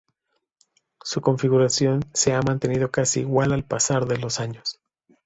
Su configuración se ha mantenido casi igual al pasar de los años.